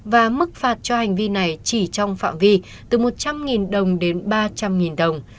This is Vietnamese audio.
và mức phạt cho hành vi này chỉ trong phạm vi từ một trăm linh đồng đến ba trăm linh đồng